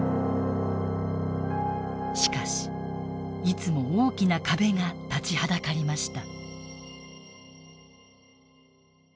しかしいつも大きな壁が立ちはだかりました。